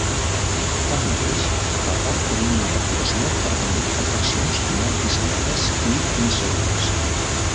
Tanmateix, el parc tenia una reputació per tenir atraccions mal dissenyades i insegures.